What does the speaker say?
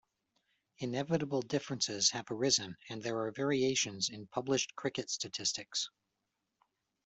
Inevitable differences have arisen and there are variations in published cricket statistics.